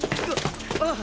ああ。